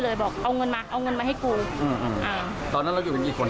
เราก็หมอบลงข้างล่างแล้วเราก็หยิบมีด